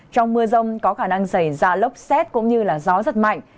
trong mưa rông có khả năng xảy ra lấp xét cũng như là gió rất mạnh